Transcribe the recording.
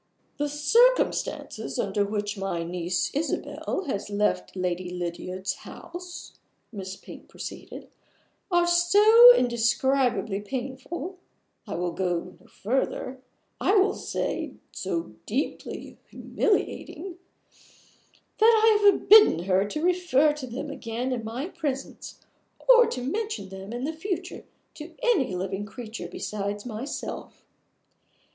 "The circumstances under which my niece Isabel has left Lady Lydiard's house," Miss Pink proceeded, "are so indescribably painful I will go further, I will say so deeply humiliating that I have forbidden her to refer to them again in my presence, or to mention them in the future to any living creature besides myself.